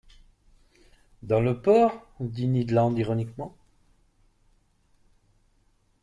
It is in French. —Dans le port ? dit Ned Land ironiquement.